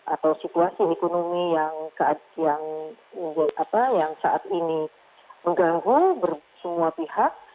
atau situasi ekonomi yang saat ini mengganggu semua pihak